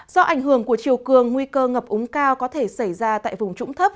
do ảnh hưởng của chiều cường nguy cơ ngập úng cao có thể xảy ra tại vùng trũng thấp